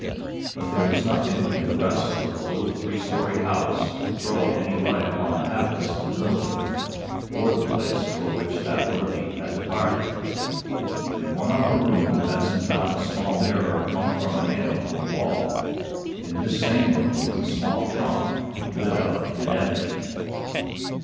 But there was nothing in the rest of the little three story house to throw any light upon the habits of Millard, or the place for which that worthy had departed. In one upper room Benson found a small mirror hung from a nail in the wall. In this same room was a small trunk, lid up and empty.